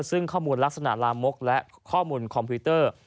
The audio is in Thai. ซึ่งข้อมูลลักษณะลามกและข้อมูลคอมพิวเตอร์